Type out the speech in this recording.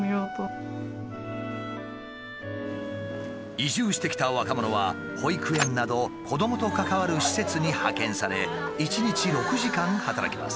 移住してきた若者は保育園など子どもと関わる施設に派遣され１日６時間働きます。